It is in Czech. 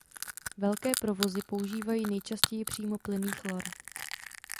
Velké provozy používají nejčastěji přímo plynný chlor.